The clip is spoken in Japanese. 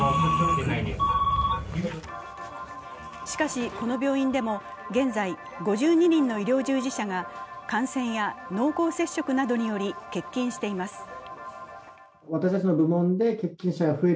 しかしこの病院でも現在５２人の医療従事者が感染や濃厚接触などにより欠勤しています。